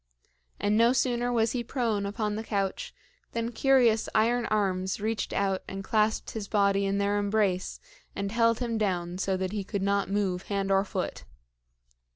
And no sooner was he prone upon the couch than curious iron arms reached out and clasped his body in their embrace and held him down so that he could not move hand or foot.